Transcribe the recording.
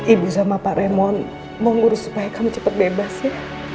ibu sama pak remon mau ngurus supaya kamu cepat bebas ya